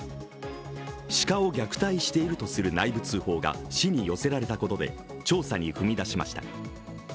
鹿を虐待しているとする内部通報が市に寄せられたことで調査に踏み出しました。